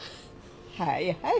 はいはい。